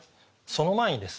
その前にですね